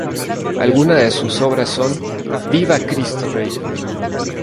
Algunas de sus obras son: "!Viva Cristo Rey!